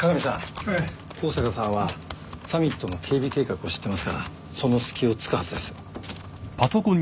香坂さんはサミットの警備計画を知ってますからその隙を突くはずです。